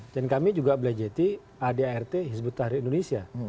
dan kami juga belajati adart hizbut tahrir indonesia